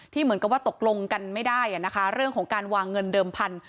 เหมือนกับว่าตกลงกันไม่ได้นะคะเรื่องของการวางเงินเดิมพันธุ